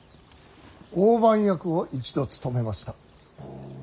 大番役を一度務めました。